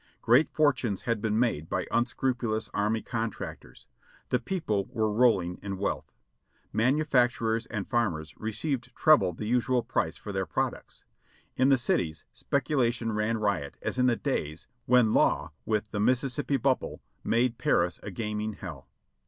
Great fortunes had been made by unscru pulous army contractors ; the people were rolling in wealth. Man ufacturers and farmers received treble the usual price for their prod ucts. In the cities speculation ran riot as in the days when Law with "The Mississippi Bubble" made Paris a gaming hell.